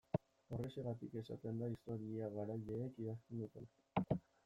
Horrexegatik esaten da historia garaileek idazten dutela.